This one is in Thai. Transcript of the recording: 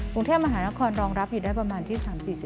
กรุงเทพมหานครรองรับอยู่ได้ประมาณที่๓๔๐